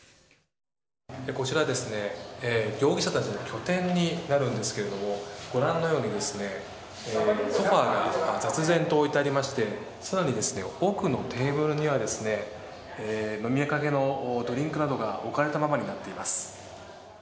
こちらですね、容疑者たちの拠点になるんですけれども、ご覧のように、ソファが雑然と置いてありまして、さらに奥のテーブルには、飲みかけのドリンクなどが置かれたままになっています。